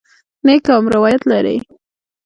نه یې کوم روایت لرې.